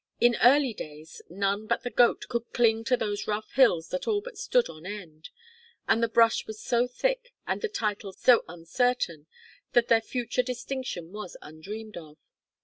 In "early days" none but the goat could cling to those rough hills that all but stood on end, and the brush was so thick and the titles so uncertain that their future distinction was undreamed of.